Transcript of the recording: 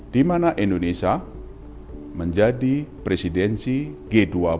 dimana indonesia menjadi presidensi g dua puluh